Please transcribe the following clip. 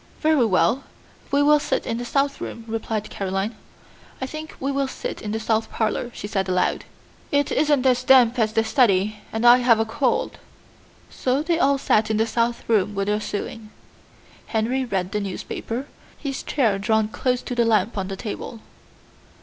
"Very well; we will sit in the south room," replied Caroline. "I think we will sit in the south parlor," she said aloud; "it isn't as damp as the study, and I have a cold." So they all sat in the south room with their sewing. Henry read the newspaper, his chair drawn close to the lamp on the table.